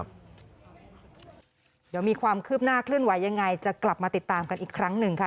เดี๋ยวมีความคืบหน้าเคลื่อนไหวยังไงจะกลับมาติดตามกันอีกครั้งหนึ่งค่ะ